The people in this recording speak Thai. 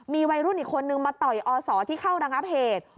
มีวัยรุ่นอีกคนนึงมาต่อยอศที่เข้าระงับเหตุ